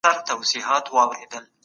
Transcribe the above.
ابوعبيده رض خلګو ته ډاډ ورکړ.